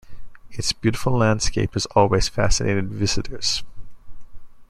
Its beautiful landscape has always fascinated visitors.